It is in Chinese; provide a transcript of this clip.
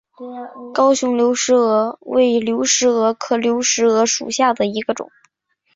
高雄流石蛾为流石蛾科流石蛾属下的一个种。